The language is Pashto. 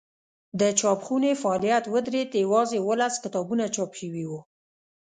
د چاپخونې فعالیت ودرېد یوازې اوولس کتابونه چاپ شوي وو.